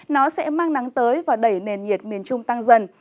nó sẽ mang nắng tới và đẩy nền nhiệt miền trung tăng dần